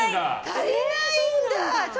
足りないんだ！